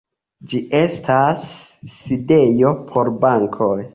Ĝi estas sidejo por bankoj.